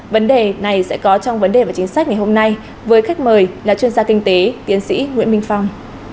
việc này sẽ có trong vấn đề về chính sách ngày hôm nay với khách mời là chuyên gia kinh tế tiến sĩ nguyễn minh phong